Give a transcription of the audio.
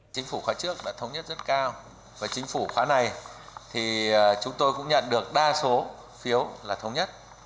chính phủ khóa trước đã thống nhất rất cao và chính phủ khóa này thì chúng tôi cũng nhận được đa số phiếu là thống nhất